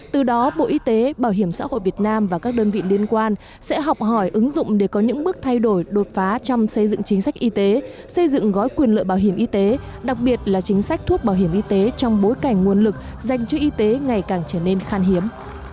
từ đó bộ y tế bảo hiểm xã hội việt nam và các đơn vị liên quan sẽ học hỏi ứng dụng để có những bước thay đổi đột phá trong xây dựng chính sách y tế xây dựng gói quyền lợi bảo hiểm y tế đặc biệt là chính sách thuốc bảo hiểm y tế trong bối cảnh nguồn lực dành cho y tế ngày càng trở nên khan hiếm